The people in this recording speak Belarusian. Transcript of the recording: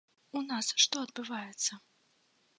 У нас што адбываецца?